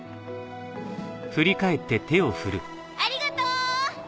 ありがとう！